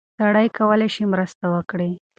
سړی کولی شي مرسته وکړي.